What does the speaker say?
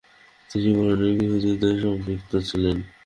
তিনি ব্রুনেই গৃহযুদ্ধ - এ সম্পৃক্ত ছিলেন।